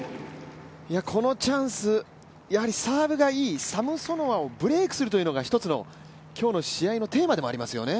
このチャンスやはりサーブがいいサムソノワをブレークするというのが一つの今日の試合のテーマでもありますよね。